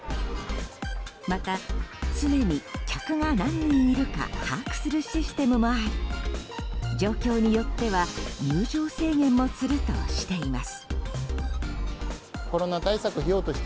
また、常に客が何人いるか把握するシステムもあり状況によっては入場制限もするとしています。